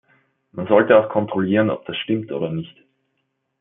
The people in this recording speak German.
Man sollte auch kontrollieren, ob das stimmt oder nicht.